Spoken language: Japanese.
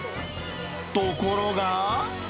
ところが。